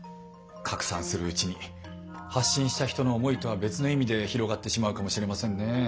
拡散するうちに発信した人の思いとは別の意味で広がってしまうかもしれませんね。